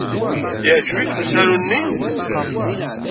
Yeɛjeb-iken usaru-nni?